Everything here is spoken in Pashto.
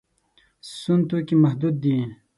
سون توکي محدود دي.